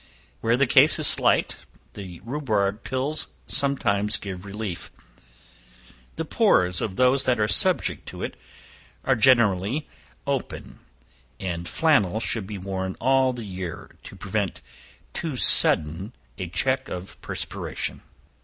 Where the case is slight, the rhubarb pills sometimes give relief. The pores of those that are subject to it are generally open, and flannel should be worn all the year, to prevent too sudden a check of perspiration.